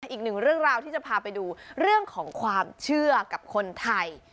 อีกหนึ่งเรื่องราวที่จะพาไปดูเรื่องของความเชื่อกับคนไทย